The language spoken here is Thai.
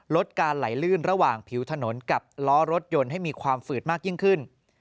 ลดการไหลลื่นระหว่างผิวถนนกับล้อรถยนต์ให้มีความฝืดมากยิ่งขึ้น